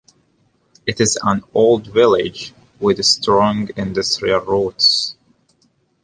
It is an old village with strong industrial roots.